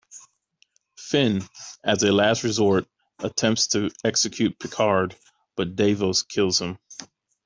Finn, as a last resort, attempts to execute Picard, but Devos kills him.